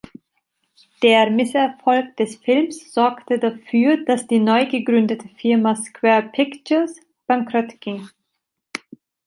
Der Misserfolg des Films sorgte dafür, dass die neu gegründete Firma Square Pictures bankrottging.